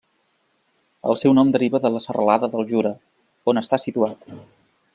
El seu nom deriva de la serralada del Jura, on està situat.